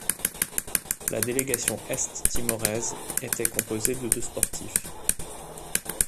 La délégation est-timoraise était composée de deux sportifs.